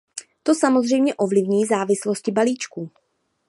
To samozřejmě ovlivní závislosti balíčků.